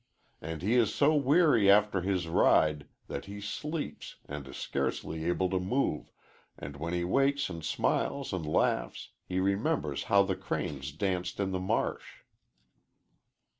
And he is so weary after his ride that he sleeps and is scarcely able to move, and when he wakes and smiles and laughs, he remembers how the cranes danced in the marsh."